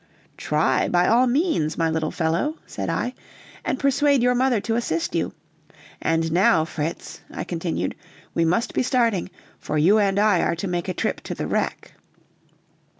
"Try, by all means, my little fellow," said I, "and persuade your mother to assist you; and now, Fritz," I continued, "we must be starting, for you and I are to make a trip to the wreck."